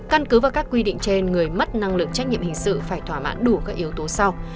căn cứ vào các quy định trên người mất năng lực trách nhiệm hình sự phải thỏa mãn đủ các yếu tố sau